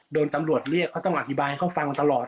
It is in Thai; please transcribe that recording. ตำรวจเรียกเขาต้องอธิบายให้เขาฟังตลอด